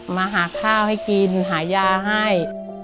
มาหาข้าวให้กินหายาให้